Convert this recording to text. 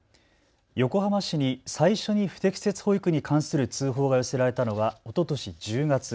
横浜市に最初に不適切保育に関する通報が寄せられたのはおととし１０月。